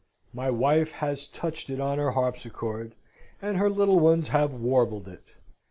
My wife has touched it on her harpsichord, and her little ones have warbled it.